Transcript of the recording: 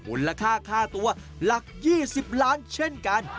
อุณหภาคาตัวหลัก๒๐ล้านเช่นกัน